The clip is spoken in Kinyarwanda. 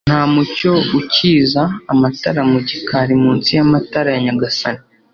Nta mucyo ukiza amatara mu gikari munsi yamatara ya Nyagasani